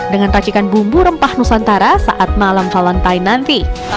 dengan racikan bumbu rempah nusantara saat malam valentine nanti